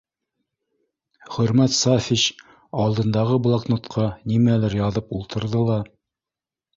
Хөрмәт Сафич алдындағы блокнотҡа нимәлер яҙып ултырҙы ла: